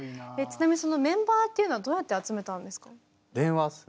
ちなみにそのメンバーっていうのはどうやって集めたんですか？